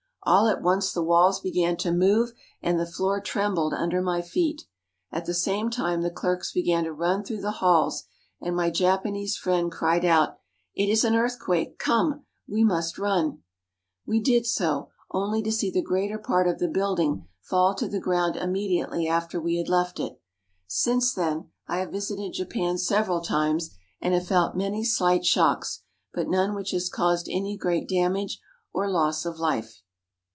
All at once the walls began to move and the floor trembled under my feet. At the same time the clerks began to run through the halls, and my Japa nese friend cried out :—" It cracked open in many places —"" It is an earthquake ! Come, we must run !'* We did so, only to see the greater part of the building fall to the ground immediately after we had left it. Since then I have visited Japan several times, and have felt many slight shocks, but none which has caused any great damage or loss of life.